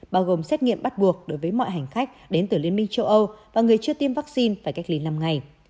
bao gồm xét nghiệm bắt buộc đối với mọi hành khách đến từ liên minh châu âu và người chưa tiêm vaccine phải cách ly năm ngày